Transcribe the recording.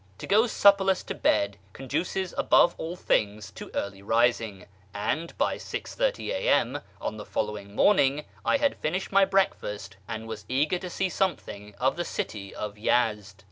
I To go supperless to bed conduces above all things to early rising, and by 6.30 a.m. on the following morning I had I finished my breakfast, and was eager to see something of the city of Yezd.